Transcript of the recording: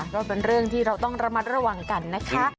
ก็เป็นเรื่องที่เราต้องระมัดระวังกันนะคะ